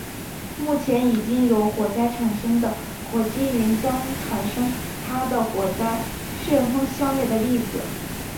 目前已经有火灾产生的火积云将产生它的火灾旋风消灭的例子。